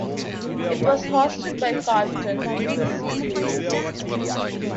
It was hosted by Carlton "Big C" Lewis.